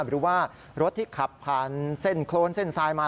หรือว่ารถที่ขับผ่านเส้นโครนเส้นทรายมา